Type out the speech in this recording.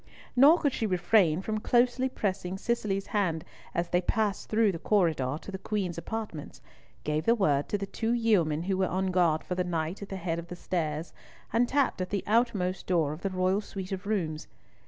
Nor could she refrain from closely pressing Cicely's hand as they passed through the corridor to the Queen's apartments, gave the word to the two yeomen who were on guard for the night at the head of the stairs, and tapped at the outmost door of the royal suite of rooms.